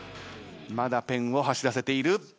まだペンを走らせている。